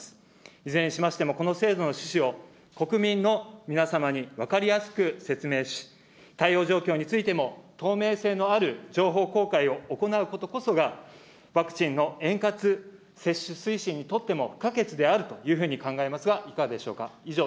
いずれにしましても、この制度の趣旨を国民の皆様に分かりやすく説明し、対応状況についても、透明性のある情報公開を行うことこそが、ワクチンの円滑接種推進にとっても不可欠であるというふうに考えますが、いかがでしょうか。